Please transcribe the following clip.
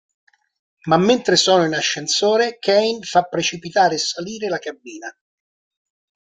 Ma mentre sono in ascensore, Kane fa precipitare e salire la cabina.